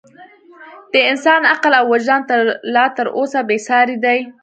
د انسان عقل او وجدان لا تر اوسه بې ساري دی.